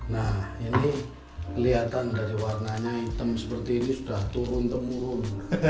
nah ini kelihatan dari warnanya hitam seperti ini sudah turun temurun